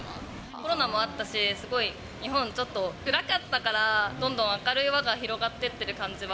コロナもあったし、日本ちょっと暗かったから、どんどん明るい輪が広がってってる感じは。